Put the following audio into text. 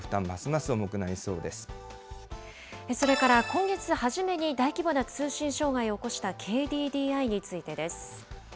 まそれから、今月初めに大規模な通信障害を起こしたＫＤＤＩについてです。